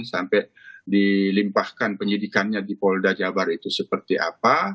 sampai dilimpahkan penyidikannya di polda jabar itu seperti apa